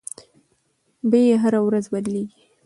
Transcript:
بیې هره ورځ بدلیږي.